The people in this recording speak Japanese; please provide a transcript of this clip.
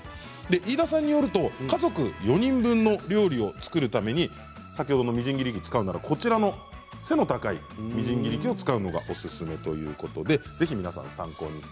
飯田さんによると家族４人分の料理を作るために先ほどのみじん切り器背の高いものを使うことがおすすめだということです。